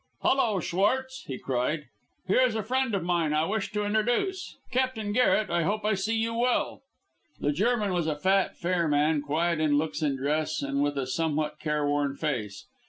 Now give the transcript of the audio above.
"Hullo! Schwartz," he cried. "Here is a friend of mine I wish to introduce. Captain Garret, I hope I see you well?" The German was a fat, fair man, quiet in looks and dress, and with a somewhat careworn face.